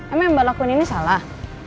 emang yang mbak lakuin ini salah